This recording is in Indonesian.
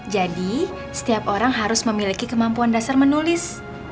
jadi setiap orang harus memiliki kemampuan dasar menulis